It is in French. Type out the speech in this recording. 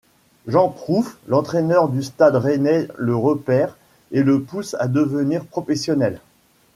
Jean Prouff, l'entraîneur du Stade rennais, le repère et le pousse à devenir professionnel.